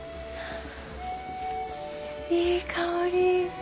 いい香り。